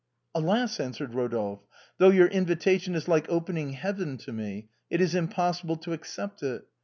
" Alas !" answered Rodolphe, " though j^our invitation is like opening heaven to me, it is impossible to accept it.